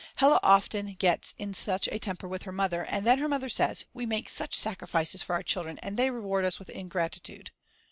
Hella often gets in such a temper with her mother, and then her mother says: We make such sacrifices for our children and they reward us with ingratitude.